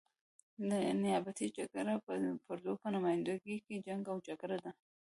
نیابتي جګړه پردو په نماینده ګي جنګ او جګړه ده.